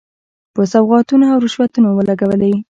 په سوغاتونو او رشوتونو ولګولې.